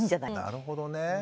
なるほどね。